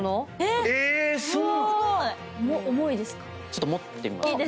ちょっと持ってみますか。